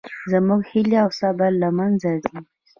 زموږ هیلې او صبر له منځه ځي